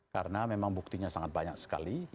karena memang buktinya sangat banyak sekali